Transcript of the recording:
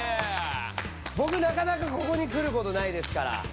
ぼくなかなかここにくることないですから。